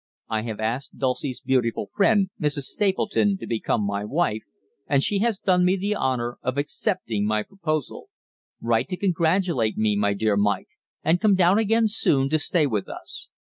I have asked Dulcie's beautiful friend, Mrs. Stapleton, to become my wife, and she has done me the honour of accepting my proposal. Write to congratulate me, my dear Mike, and come down again soon to stay with us.